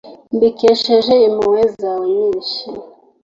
mbikesheje impuhwe zawe nyinshi